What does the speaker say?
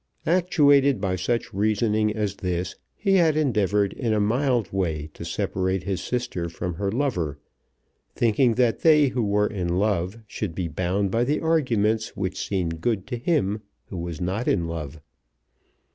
Actuated by such reasoning as this, he had endeavoured in a mild way to separate his sister from her lover, thinking that they who were in love should be bound by the arguments which seemed good to him who was not in love.